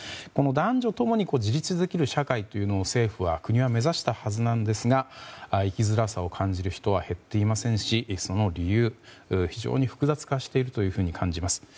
男女共に自立できる社会を政府は、国は目指したはずですが生きづらさを感じる人は減っていませんしその理由は非常に複雑化していると感じます。